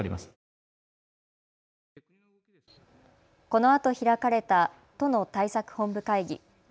このあと開かれた都の対策本部会議。